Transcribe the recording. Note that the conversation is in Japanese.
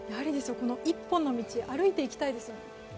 この１本の道歩いていきたいですよ。